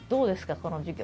この授業」と。